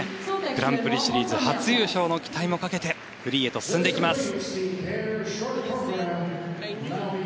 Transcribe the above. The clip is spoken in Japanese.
グランプリシリーズ初優勝の期待をかけてフリーへと進んでいきます。